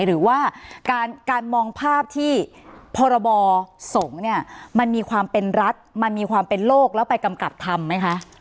หรือว่าการมองภาพที่พรบสงฆ์เนี่ยมันมีความเป็นรัฐมันมีความเป็นโลกแล้วไปกำกับทำไหมคะ